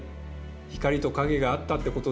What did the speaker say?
光と影があったってことでしょうか。